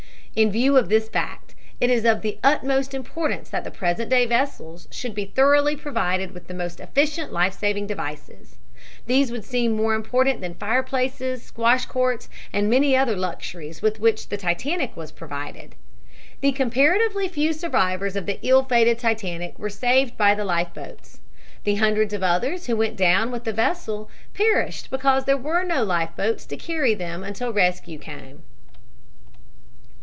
In view of this fact it is of the utmost importance that present day vessels should be thoroughly provided with the most efficient life saving devices. These would seem more important than fireplaces, squash courts and many other luxuries with which the Titanic was provided. The comparatively few survivors of the ill fated Titanic were saved by the life boats. The hundreds of others who went down with the vessel perished because there were no life boats to carry them until rescue came.